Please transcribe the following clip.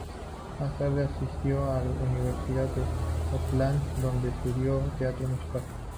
Más tarde asistió a la Universidad de Oakland donde estudió teatro musical.